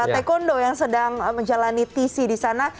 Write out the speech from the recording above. taekwondo yang sedang menjalani tc di sana